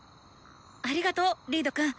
ありがとうリードくん。